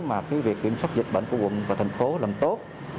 mà cái việc kiểm soát dịch bệnh của quận và thành phố làm tốt